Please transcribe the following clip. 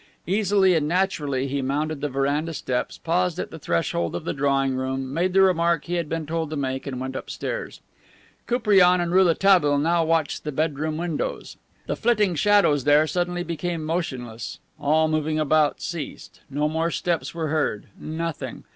Easily and naturally he mounted the veranda steps, paused at the threshold of the drawing room, made the remark he had been told to make, and went upstairs. Koupriane and Rouletabille now watched the bedroom windows. The flitting shadows there suddenly became motionless. All moving about ceased; no more steps were heard, nothing.